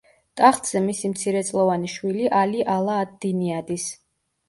ტახტზე მისი მცირეწლოვანი შვილი ალი ალა ად-დინი ადის.